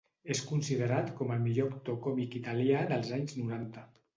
És considerat com el millor actor còmic italià dels anys noranta.